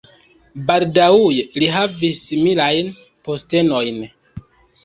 Baldaŭe li havis similajn postenojn.